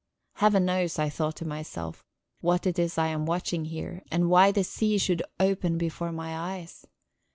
Heaven knows, I thought to myself, what it is I am watching here, and why the sea should open before my eyes.